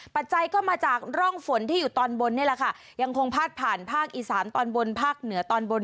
ปัจจัยก็มาจากร่องฝนที่อยู่ตอนบนนี่แหละค่ะยังคงพาดผ่านภาคอีสานตอนบนภาคเหนือตอนบน